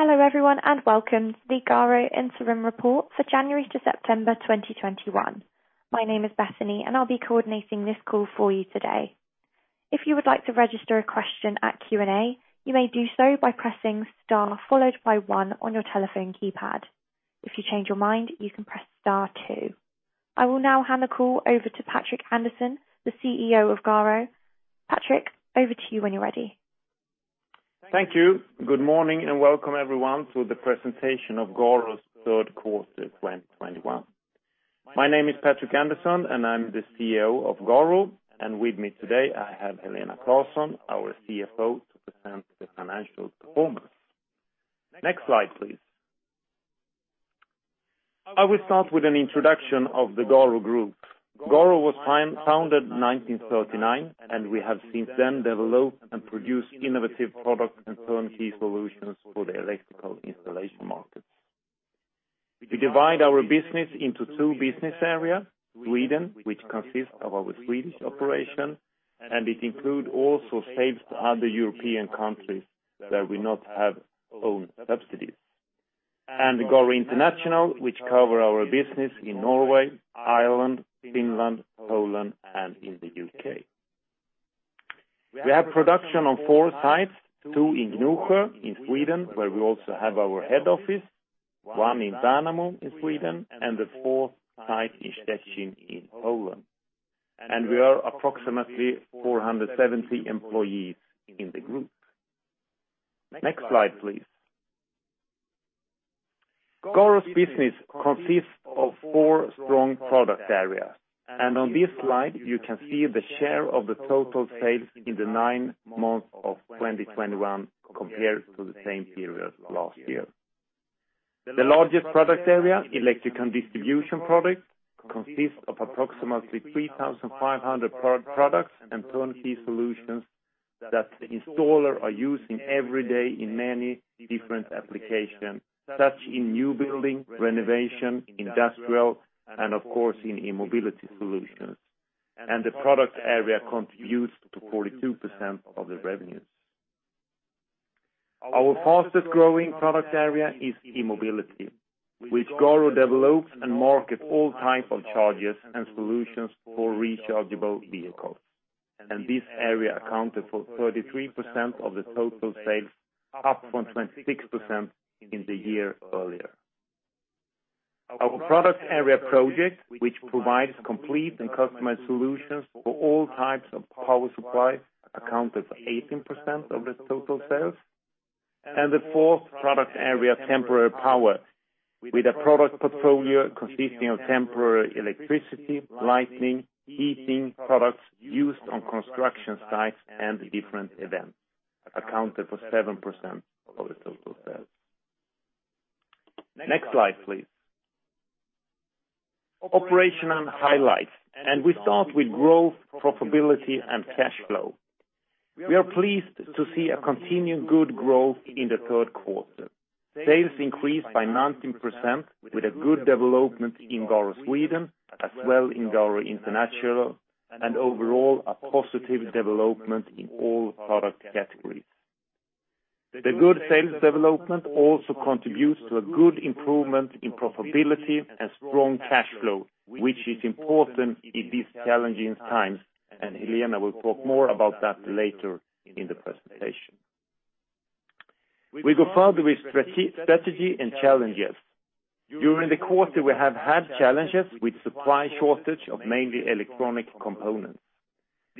Hello everyone, and welcome to the GARO Interim Report for January to September 2021. My name is Bethany, and I'll be coordinating this call for you today. If you would like to register a question at Q&A, you may do so by pressing Star followed by one on your telephone keypad. If you change your mind, you can press Star two. I will now hand the call over to Patrik Andersson, the CEO of GARO. Patrik, over to you when you're ready. Thank you. Good morning, and welcome everyone to the presentation of GARO's Third Quarter 2021. My name is Patrik Andersson, and I'm the CEO of GARO. With me today, I have Helena Claesson, our CFO, to present the financial performance. Next slide, please. I will start with an introduction of the GARO Group. GARO was founded 1939, and we have since then developed and produced innovative products and turnkey solutions for the electrical installation markets. We divide our business into two business areas: Sweden, which consists of our Swedish operation, and it includes also sales to other European countries that we do not have own subsidiaries. GARO International, which covers our business in Norway, Ireland, Finland, Poland, and in the U.K. We have production on four sites, two in Nyköping in Sweden, where we also have our head office, one in Värnamo in Sweden, and the fourth site is Szczecin in Poland. We are approximately 470 employees in the group. Next slide, please. GARO's business consists of four strong product areas. On this slide you can see the share of the total sales in the nine months of 2021 compared to the same period last year. The largest product area, Electrical distribution products, consists of approximately 3,500 products and turnkey solutions that the installers are using every day in many different applications, such as in new building, renovation, industrial, and of course, in e-mobility solutions. The product area contributes to 42% of the revenues. Our fastest growing product area is e-mobility, which GARO develops and market all type of chargers and solutions for rechargeable vehicles. This area accounted for 33% of the total sales, up from 26% in the year earlier. Our product area Project business, which provides complete and customized solutions for all types of power supply, accounted for 18% of the total sales. The fourth product area, Temporary Power, with a product portfolio consisting of temporary electricity, lighting, heating products used on construction sites and different events, accounted for 7% of the total sales. Next slide, please. Operational highlights. We start with growth, profitability and cash flow. We are pleased to see a continued good growth in the third quarter. Sales increased by 19% with a good development in GARO Sweden as well in GARO International, and overall a positive development in all product categories. The good sales development also contributes to a good improvement in profitability and strong cash flow, which is important in these challenging times, and Helena will talk more about that later in the presentation. We go further with strategy and challenges. During the quarter, we have had challenges with supply shortage of mainly electronic components.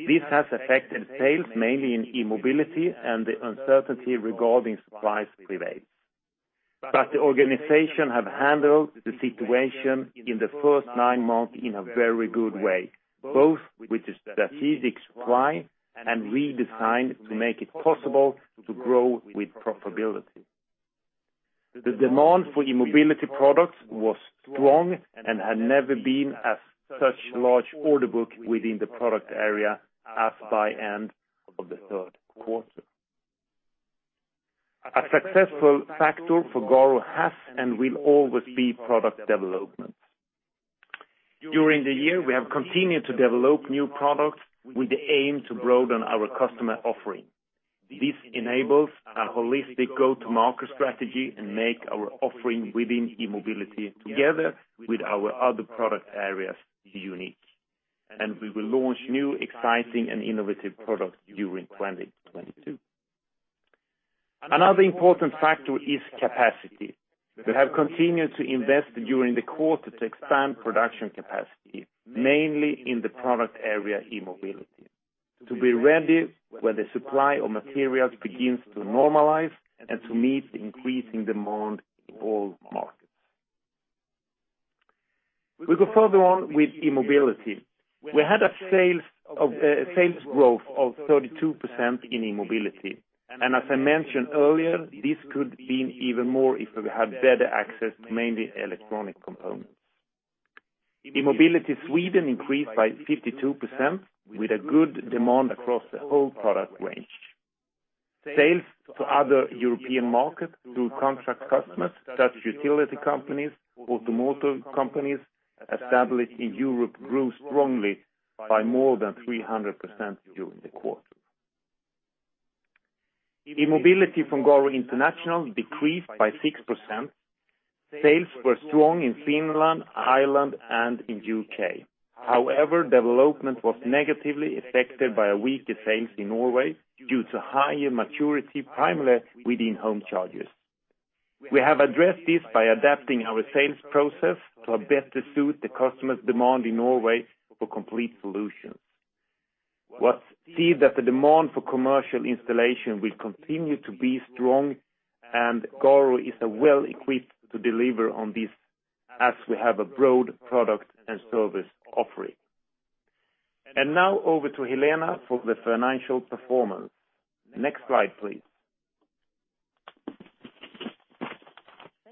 This has affected sales mainly in e-mobility and the uncertainty regarding supplies prevails. The organization have handled the situation in the first nine months in a very good way, both with the strategic supply and redesign to make it possible to grow with profitability. The demand for e-mobility products was strong and had never been as such large order book within the product area as by end of the third quarter. A successful factor for GARO has and will always be product development. During the year, we have continued to develop new products with the aim to broaden our customer offering. This enables a holistic go-to-market strategy and make our offering within e-mobility together with our other product areas unique. We will launch new, exciting and innovative products during 2022. Another important factor is capacity. We have continued to invest during the quarter to expand production capacity, mainly in the product area e-mobility, to be ready when the supply of materials begins to normalize and to meet the increasing demand in all markets. We go further on with e-mobility. We had sales growth of 32% in e-mobility. As I mentioned earlier, this could been even more if we had better access to mainly electronic components. e-mobility Sweden increased by 52% with a good demand across the whole product range. Sales to other European markets through contract customers, such as utility companies, automotive companies established in Europe grew strongly by more than 300% during the quarter. E-mobility from GARO International decreased by 6%. Sales were strong in Finland, Ireland, and in U.K. However, development was negatively affected by weaker sales in Norway due to higher maturity, primarily within home charges. We have addressed this by adapting our sales process to better suit the customer's demand in Norway for complete solutions. We see that the demand for commercial installation will continue to be strong, and GARO is well equipped to deliver on this as we have a broad product and service offering. Now over to Helena for the financial performance. Next slide, please.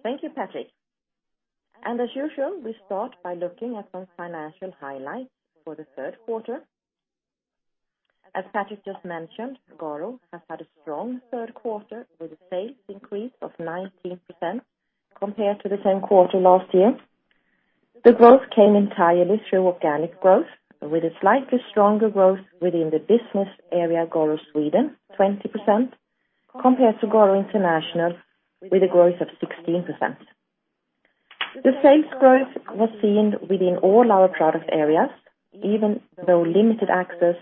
Thank you, Patrik. As usual, we start by looking at some financial highlights for the third quarter. As Patrik just mentioned, GARO has had a strong third quarter with a sales increase of 19% compared to the same quarter last year. The growth came entirely through organic growth, with a slightly stronger growth within the business area, GARO Sweden, 20%, compared to GARO International, with a growth of 16%. The sales growth was seen within all our product areas, even though limited access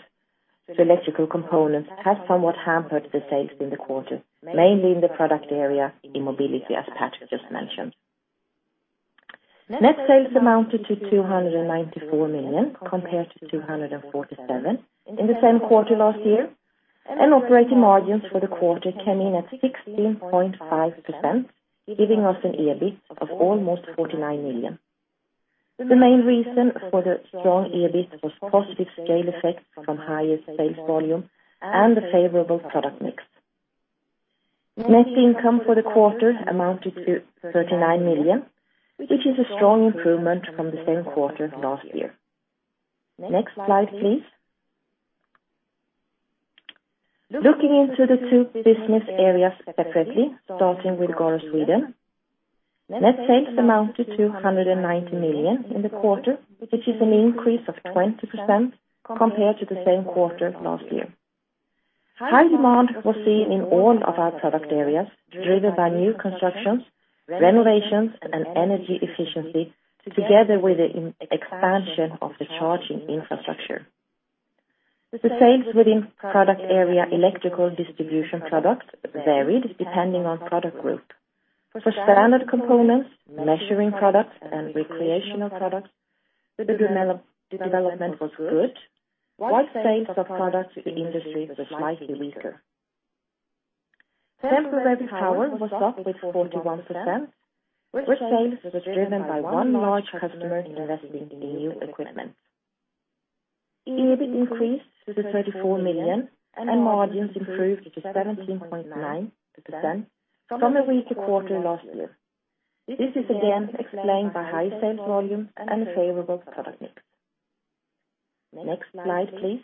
to electrical components has somewhat hampered the sales in the quarter, mainly in the product area, e-mobility, as Patrik just mentioned. Net sales amounted to 294 million compared to 247 million in the same quarter last year, and operating margins for the quarter came in at 16.5%, giving us an EBIT of almost 49 million. The main reason for the strong EBIT was positive scale effects from higher sales volume and the favorable product mix. Net income for the quarter amounted to 39 million, which is a strong improvement from the same quarter last year. Next slide, please. Looking into the two business areas separately, starting with GARO Sweden, net sales amount to 290 million in the quarter, which is an increase of 20% compared to the same quarter last year. High demand was seen in all of our product areas, driven by new constructions, renovations, and energy efficiency, together with the expansion of the charging infrastructure. The sales within product area, Electrical Distribution Products, varied depending on product group. For standard components, measuring products, and recreational products, the development was good, while sales of products in industries were slightly weaker. Temporary Power was up 41%, which sales was driven by one large customer investing in new equipment. EBIT increased to 34 million, and margins improved to 17.9% from a weaker quarter last year. This is again explained by high sales volumes and favorable product mix. Next slide, please.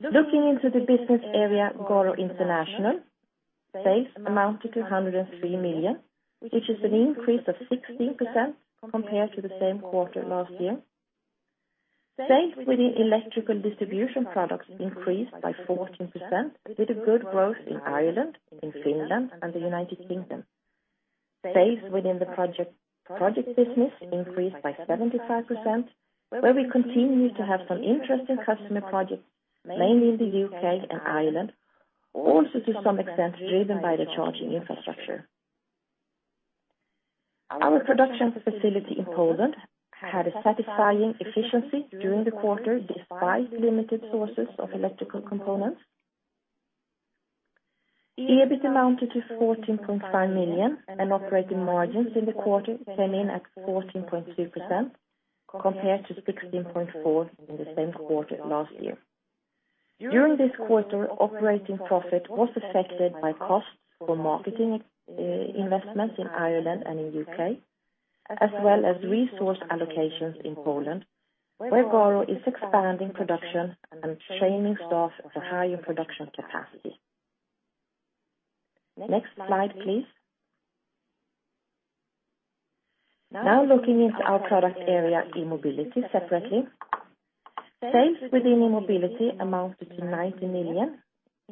Looking into the business area, GARO International, sales amount to 203 million, which is an increase of 16% compared to the same quarter last year. Sales within Electrical distribution products increased by 14% with a good growth in Ireland, in Finland, and the United Kingdom. Sales within the Project business increased by 75%, where we continue to have some interesting customer projects, mainly in the U.K. and Ireland, also to some extent driven by the charging infrastructure. Our production facility in Poland had a satisfying efficiency during the quarter, despite limited sources of electrical components. EBIT amounted to 14.5 million, and operating margins in the quarter came in at 14.2% compared to 16.4% in the same quarter last year. During this quarter, operating profit was affected by costs for marketing, investments in Ireland and in U.K., as well as resource allocations in Poland, where GARO is expanding production and training staff for higher production capacity. Next slide, please. Now looking into our product area, e-mobility separately. Sales within e-mobility amounted to 90 million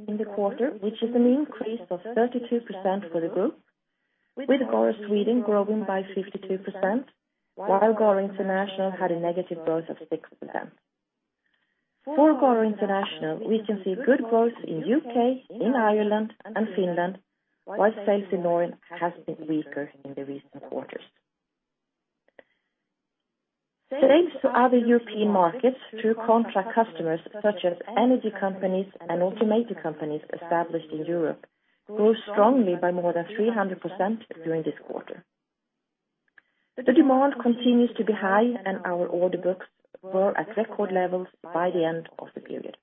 in the quarter, which is an increase of 32% for the group, with GARO Sweden growing by 52%, while GARO International had a negative growth of 6%. For GARO International, we can see good growth in U.K., in Ireland and Finland, while sales in Norway has been weaker in the recent quarters. Sales to other European markets through contract customers such as energy companies and automotive companies established in Europe, grew strongly by more than 300% during this quarter. The demand continues to be high and our order books were at record levels by the end of the period.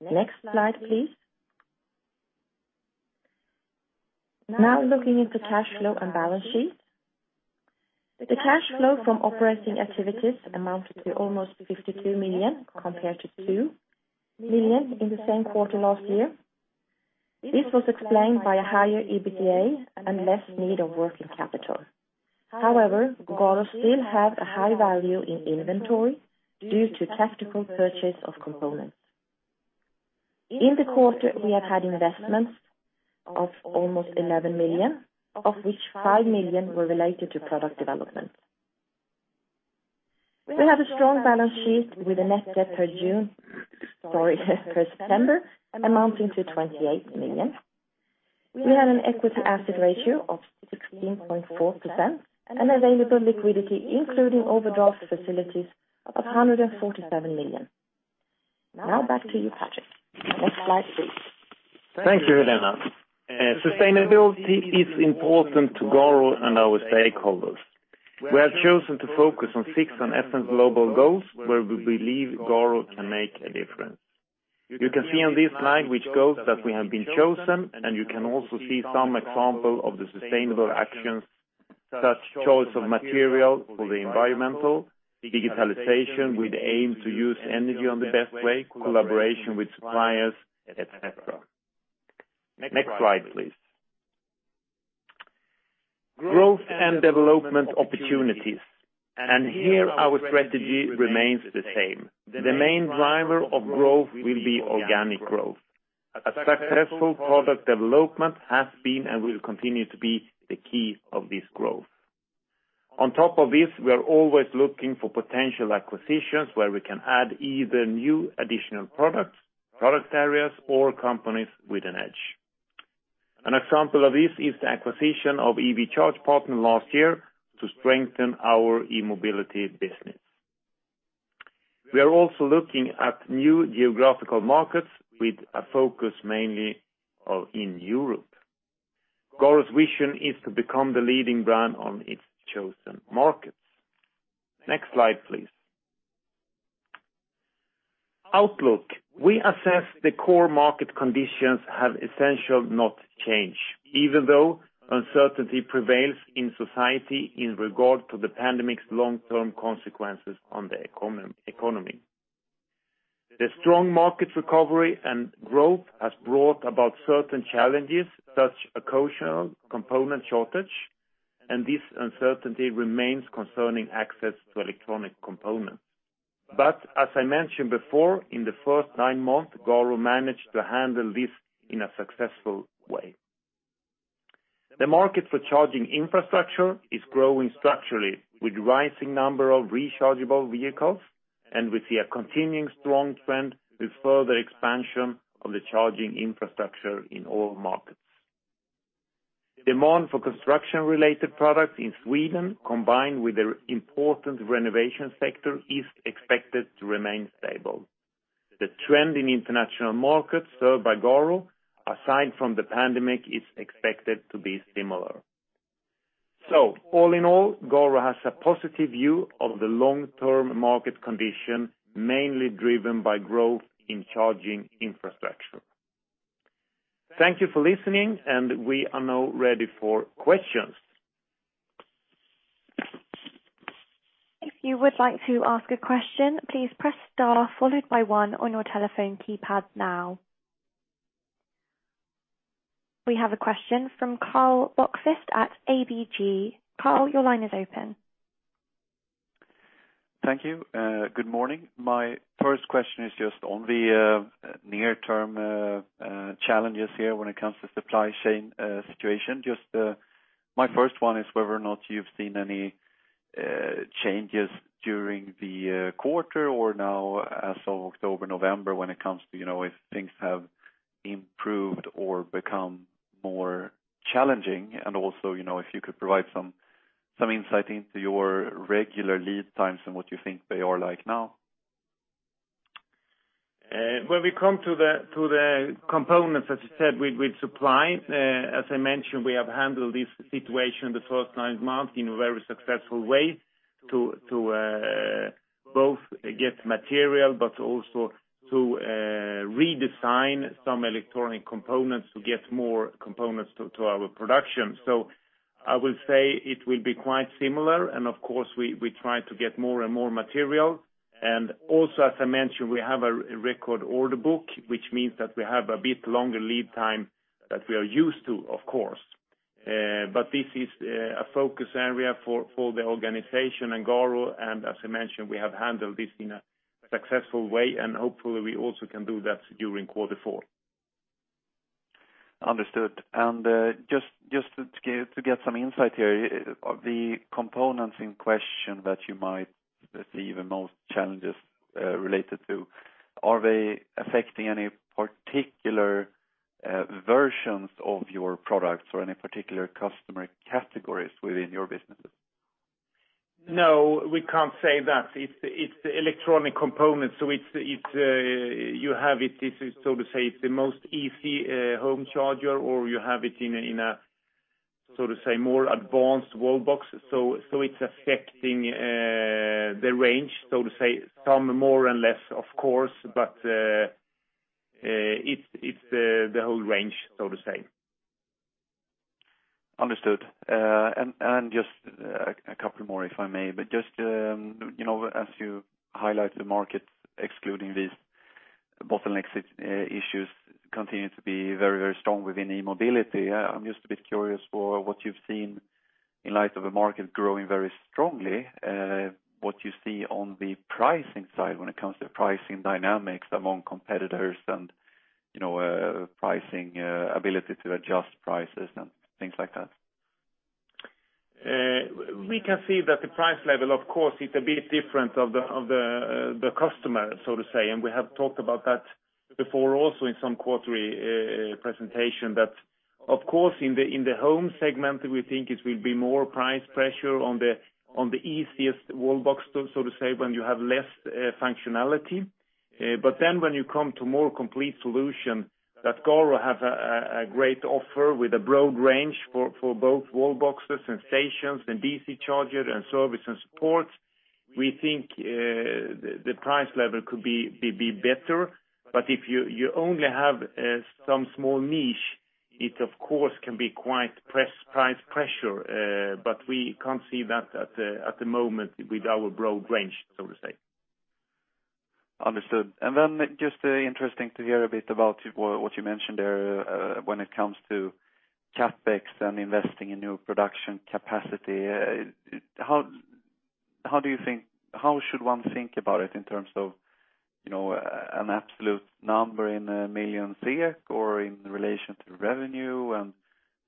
Next slide, please. Now looking at the cash flow and balance sheet. The cash flow from operating activities amounted to almost 52 million compared to 2 million in the same quarter last year. This was explained by a higher EBITDA and less need of working capital. However, GARO still have a high value in inventory due to tactical purchase of components. In the quarter, we have had investments of almost 11 million, of which 5 million were related to product development. We have a strong balance sheet with a net debt per September amounting to 28 million. We had an equity asset ratio of 16.4% and available liquidity, including overdraft facilities of 147 million. Now back to you, Patrik. Next slide, please. Thank you, Helena. Sustainability is important to GARO and our stakeholders. We have chosen to focus on six UN SDGs where we believe GARO can make a difference. You can see on this slide which goals that we have been chosen, and you can also see some example of the sustainable actions, such choice of material for the environmental, digitalization with aim to use energy on the best way, collaboration with suppliers, et cetera. Next slide, please. Growth and development opportunities. Here our strategy remains the same. The main driver of growth will be organic growth. A successful product development has been and will continue to be the key of this growth. On top of this, we are always looking for potential acquisitions where we can add either new additional products, product areas or companies with an edge. An example of this is the acquisition of EV Charge Partner last year to strengthen our e-mobility business. We are also looking at new geographical markets with a focus mainly in Europe. GARO's vision is to become the leading brand on its chosen markets. Next slide, please. Outlook. We assess the core market conditions have essentially not changed, even though uncertainty prevails in society in regard to the pandemic's long-term consequences on the economy. The strong market recovery and growth has brought about certain challenges, such as occasional component shortage, and this uncertainty remains concerning access to electronic components. As I mentioned before, in the first nine months, GARO managed to handle this in a successful way. The market for charging infrastructure is growing structurally, with rising number of rechargeable vehicles, and we see a continuing strong trend with further expansion of the charging infrastructure in all markets. Demand for construction-related products in Sweden, combined with the important renovation sector, is expected to remain stable. The trend in international markets served by GARO, aside from the pandemic, is expected to be similar. All in all, GARO has a positive view of the long-term market condition, mainly driven by growth in charging infrastructure. Thank you for listening, and we are now ready for questions. If you would like to ask a question, please press star followed by one on your telephone keypad now. We have a question from Karl Bokvist at ABG. Karl, your line is open. Thank you, good morning. My first question is just on the near term challenges here when it comes to supply chain situation. Just my first one is whether or not you've seen any changes during the quarter or now as of October, November when it comes to, you know, if things have improved or become more challenging. Also, you know, if you could provide some insight into your regular lead times and what you think they are like now. When we come to the components, as you said, with supply, as I mentioned, we have handled this situation the first nine months in a very successful way to both get material but also to redesign some electronic components to get more components to our production. I will say it will be quite similar. Of course, we try to get more and more material. Also as I mentioned, we have a record order book, which means that we have a bit longer lead time that we are used to, of course. But this is a focus area for the organization in GARO. As I mentioned, we have handled this in a successful way, and hopefully we also can do that during quarter four. Understood. Just to get some insight here. The components in question that you might see the most challenges related to, are they affecting any particular versions of your products or any particular customer categories within your businesses? No, we can't say that. It's the electrical components, so it's you have it. It is so to say it's the most easy home charger or you have it in a more advanced wallbox. It's affecting the range, so to say some more and less of course, but it's the whole range, so to say. Understood. Just a couple more, if I may, but just you know, as you highlight the market, excluding these bottleneck issues continue to be very, very strong within e-mobility. I'm just a bit curious for what you've seen in light of the market growing very strongly, what you see on the pricing side when it comes to pricing dynamics among competitors and, you know, pricing ability to adjust prices and things like that. We can see that the price level, of course, is a bit different for the customer, so to say. We have talked about that before also in some quarterly presentation that of course in the home segment, we think it will be more price pressure on the easiest wallbox, so to say, when you have less functionality. When you come to more complete solution that GARO have a great offer with a broad range for both wallboxes and stations and DC charger and service and support. We think the price level could be better, but if you only have some small niche, it of course can be quite price pressure. We can't see that at the moment with our broad range, so to say. Understood. Just interesting to hear a bit about what you mentioned there, when it comes to CapEx and investing in new production capacity. How do you think. How should one think about it in terms of, you know, an absolute number in million SEK or in relation to revenue and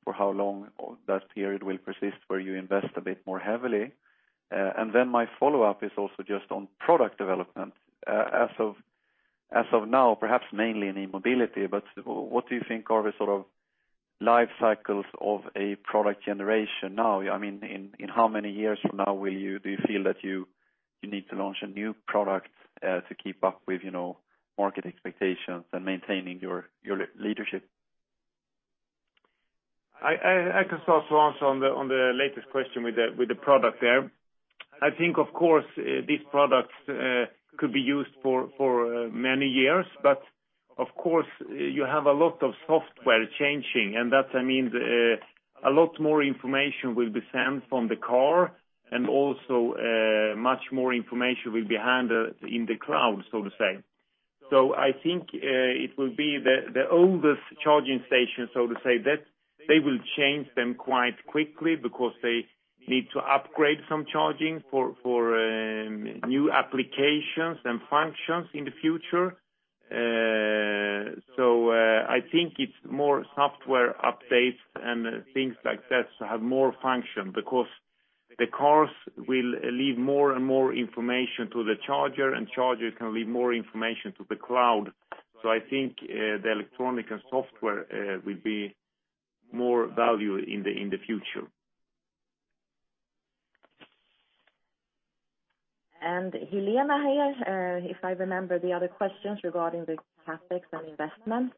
for how long that period will persist where you invest a bit more heavily? My follow-up is also just on product development. As of now, perhaps mainly in e-mobility, but what do you think are the sort of life cycles of a product generation now? I mean, in how many years from now do you feel that you need to launch a new product to keep up with, you know, market expectations and maintaining your leadership? I can start to answer on the latest question with the product there. I think of course, these products could be used for many years, but of course you have a lot of software changing, and that means, a lot more information will be sent from the car and also, much more information will be handled in the cloud, so to say. I think it will be the oldest charging station, so to say, that they will change them quite quickly because they need to upgrade some chargers for new applications and functions in the future. I think it's more software updates and things like that to have more function because the cars will leave more and more information to the charger, and chargers can leave more information to the cloud. I think the electronics and software will be more value in the future. Helena here, if I remember the other questions regarding the CapEx and investment,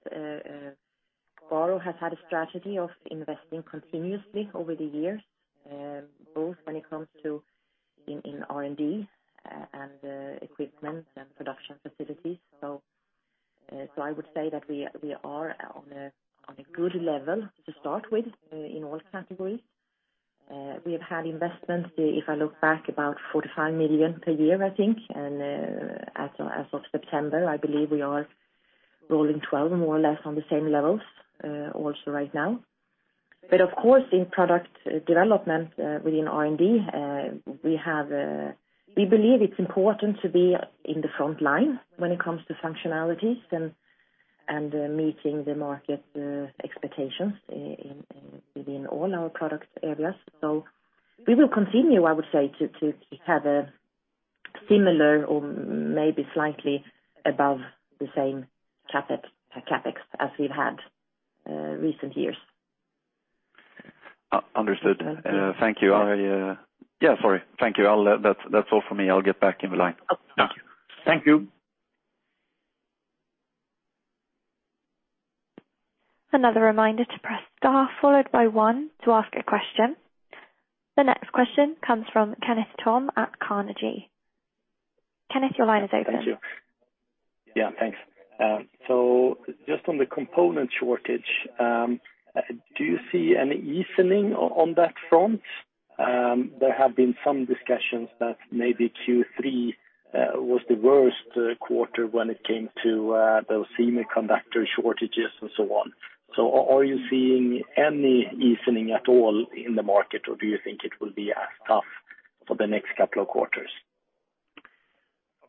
GARO has had a strategy of investing continuously over the years, both when it comes to in R&D and equipment and production facilities. I would say that we are on a good level to start with in all categories. We have had investments, if I look back about 45 million per year, I think. As of September, I believe we are rolling 12 more or less on the same levels also right now. Of course, in product development within R&D, we believe it's important to be in the front line when it comes to functionalities and meeting the market expectations within all our product areas. We will continue, I would say, to have a similar or maybe slightly above the same CapEx as we've had recent years. Understood. Thank you. Yeah, sorry. Thank you. That's all for me. I'll get back in line. Oh, thank you. Thank you. Another reminder to press star followed by one to ask a question. The next question comes from Kenneth Tham at Carnegie. Kenneth, your line is open. Thank you. Yeah, thanks. Just on the component shortage, do you see any easing on that front? There have been some discussions that maybe Q3 was the worst quarter when it came to those semiconductor shortages and so on. Are you seeing any easing at all in the market, or do you think it will be as tough for the next couple of quarters?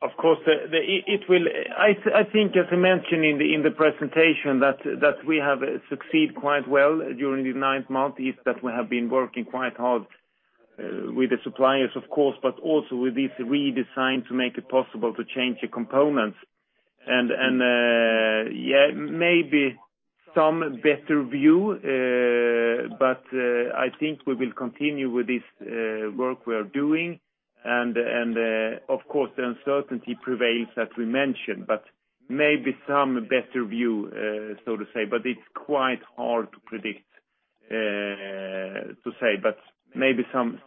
Of course, I think as I mentioned in the presentation, that we have succeeded quite well during the nine months. That is, we have been working quite hard with the suppliers of course, but also with this redesign to make it possible to change the components. Maybe some better view, but I think we will continue with this work we are doing. Of course, the uncertainty prevails as we mentioned, but maybe some better view, so to say, but it's quite hard to predict, to say, but maybe some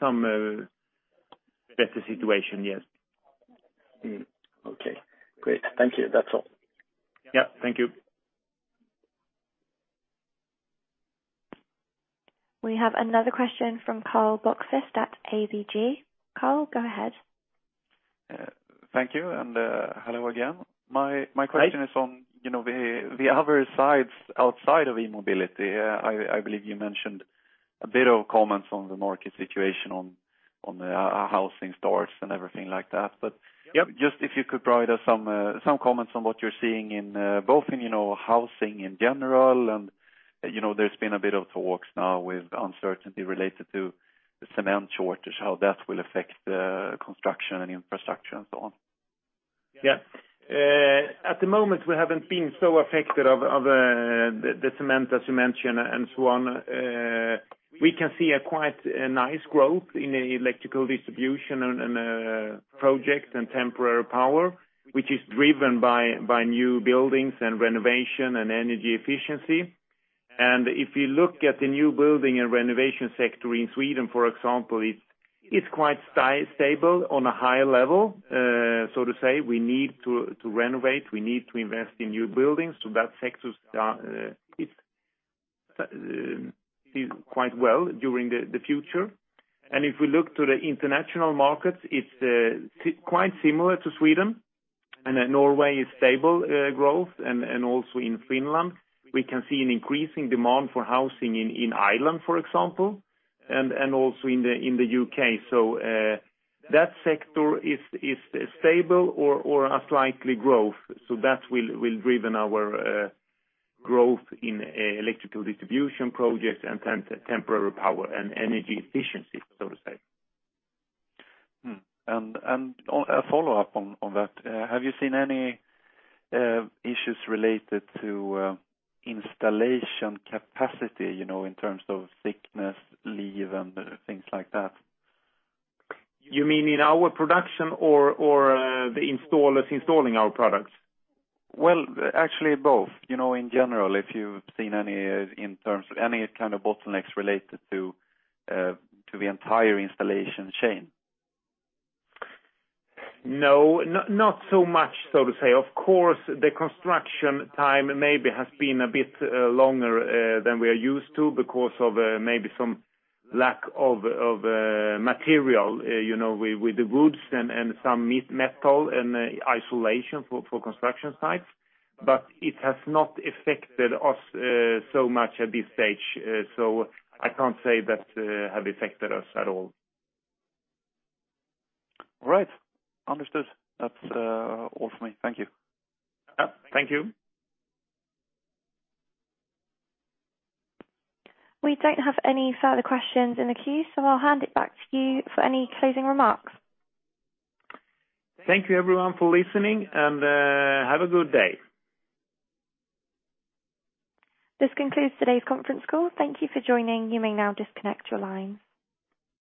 better situation, yes. Okay, great. Thank you. That's all. Yeah, thank you. We have another question from Karl Bokvist at ABG. Karl, go ahead. Thank you. Hello again. My question. Hi. is on, you know, the other sides outside of e-mobility. I believe you mentioned a bit of comments on the market situation on the housing starts and everything like that, but- Yep. Just if you could provide us some comments on what you're seeing in both in, you know, housing in general and, you know, there's been a bit of talks now with uncertainty related to the cement shortage, how that will affect the construction and infrastructure and so on? Yeah. At the moment, we haven't been so affected by the cement as you mentioned and so on. We can see quite a nice growth in electrical distribution and project and temporary power, which is driven by new buildings and renovation and energy efficiency. If you look at the new building and renovation sector in Sweden, for example, it's quite stable on a high level. To say, we need to renovate. We need to invest in new buildings. That sector is quite well in the future. If we look to the international markets, it's quite similar to Sweden, and then Norway is stable growth, and also in Finland. We can see an increasing demand for housing in Ireland, for example, and also in the U.K. That sector is stable or a slight growth. That will drive our growth in electrical distribution products and Temporary Power and energy efficiency, so to say. A follow-up on that. Have you seen any issues related to installation capacity, you know, in terms of thickness, leave, and things like that? You mean in our production or the installers installing our products? Well, actually both, you know, in general, if you've seen any in terms of any kind of bottlenecks related to the entire installation chain? No, not so much, so to say. Of course, the construction time maybe has been a bit longer than we are used to because of maybe some lack of material, you know, with the wood and some metal and insulation for construction sites, but it has not affected us so much at this stage. I can't say that have affected us at all. All right. Understood. That's all for me. Thank you. Yeah. Thank you. We don't have any further questions in the queue, so I'll hand it back to you for any closing remarks. Thank you everyone for listening and have a good day. This concludes today's conference call. Thank you for joining. You may now disconnect your lines.